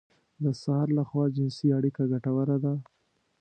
د سهار لخوا جنسي اړيکه ګټوره ده.